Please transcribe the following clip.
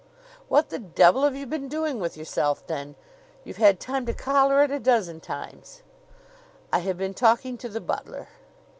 "What the devil have you been doing with yourself then? You've had time to collar it a dozen times." "I have been talking to the butler."